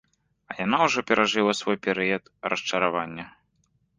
А яна ўжо перажыла свой перыяд расчаравання.